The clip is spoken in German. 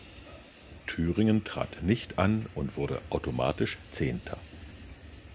Thüringen trat nicht an und wurde automatisch Zehnter.